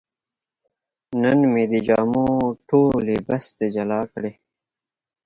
نن مې د جامو ټولې بستې جلا کړې.